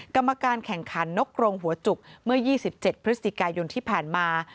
กรรมการแข่งขันนกรงหัวจุกเมื่อ๒๗พฤศจิกายนที่ผ่านมา